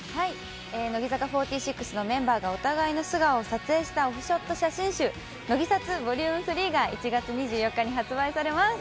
乃木坂４６のメンバーがお互いの素顔を撮影したオフショット写真集『乃木撮ＶＯＬ．０３』が１月２４日に発売されます。